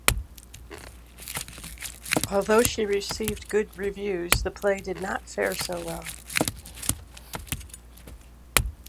Although she received good reviews, the play did not fare so well.